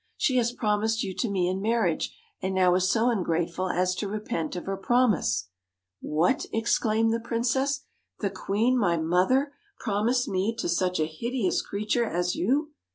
She has DWARF promised you to me in marriage, and now is so ungrateful as to repent of her promise.' ' What !' exclaimed the princess ;' the queen, my mother, promised me to such a hideous creature as you